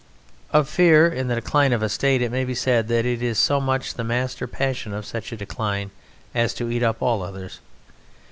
Of Fear in the decline of a State it may be said that it is so much the master passion of such decline as to eat up all others.